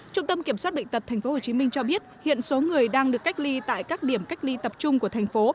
trung tâm kiểm soát bệnh tật tp hcm cho biết hiện số người đang được cách ly tại các điểm cách ly tập trung của thành phố